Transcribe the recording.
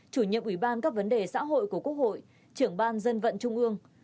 chủ nhiệm ủy ban các vấn đề xã hội của quốc hội trưởng ban dân vận trung ương